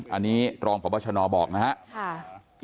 อันนี้รองประวัชนอบอกนะฮะ